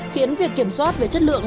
khiến việc kiểm soát về chất lượng